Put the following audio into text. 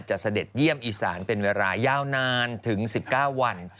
เสด็จเยี่ยมอีสานเป็นเวลายาวนานถึง๑๙วัน